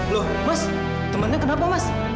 loh mas temannya kenapa mas